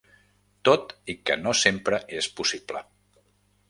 Tot i que no sempre és possible.